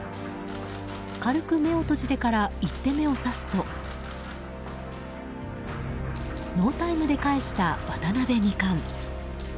軽く目を閉じてから１手目を指すとノータイムで返した渡辺二冠。